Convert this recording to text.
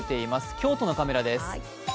京都のカメラです。